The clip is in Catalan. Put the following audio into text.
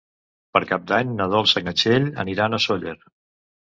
Per Cap d'Any na Dolça i na Txell aniran a Sóller.